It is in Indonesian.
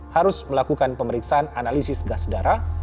harus melakukan pemeriksaan analisis gas darah